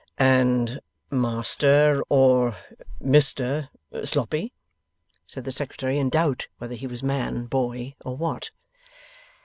'And Master or Mister Sloppy?' said the Secretary, in doubt whether he was man, boy, or what.